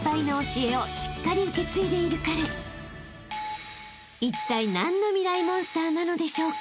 ［いったい何のミライ☆モンスターなのでしょうか？］